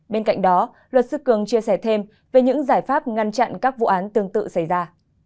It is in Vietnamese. bên cạnh đó luật sư cường chia sẻ thêm về những giải pháp ngăn chặn các vụ án tương tự xảy ra